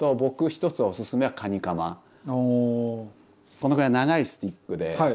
このぐらい長いスティックで。